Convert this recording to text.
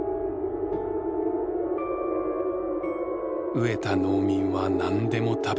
飢えた農民は何でも食べた。